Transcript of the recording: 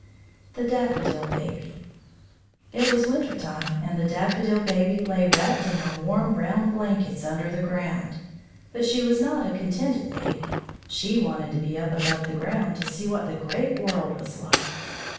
THE DAFFODIL BABY It was winter time, and the Daffodil Baby lay wrapped in her warm brown blankets under the ground. But she was not a contented Baby; she wanted to be up above the ground to see what the great world was like.